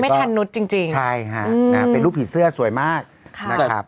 ทันนุษย์จริงจริงใช่ฮะนะเป็นรูปผีเสื้อสวยมากนะครับ